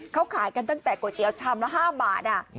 เขาขายกันตั้งแต่ก๋วยเตี๋ยวชามละ๕บาท